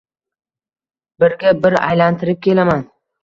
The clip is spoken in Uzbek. Birga bir aylantirib kelaman.